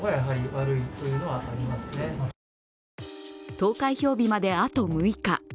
投開票日まであと６日。